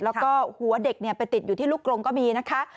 แล้วก็หัวเด็กไปติดอยู่ที่ลูกกรงก็มีนะคะ